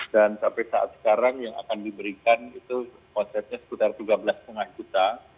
dan sampai saat sekarang yang akan diberikan itu konsepnya sekitar tiga belas lima juta